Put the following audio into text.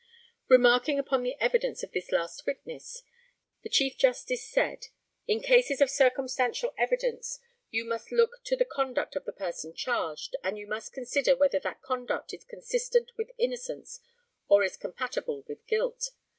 Remarking upon the evidence of this last witness, the Chief Justice said ] In cases of circumstantial evidence you must look to the conduct of the person charged, and you must consider whether that conduct is consistent with innocence or is compatible with guilt.